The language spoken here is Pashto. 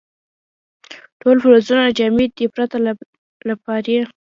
ټول فلزونه جامد دي پرته له پارې.